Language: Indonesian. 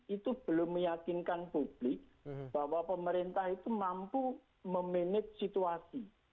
itu belum meyakinkan publik bahwa pemerintah itu mampu memanage situasi